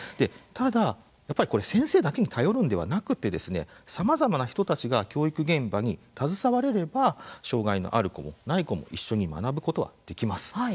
ただ、先生だけに頼るんではなくてさまざまな人たちが教育現場に携われれば障害のある子もない子も一緒に学ぶことはできます。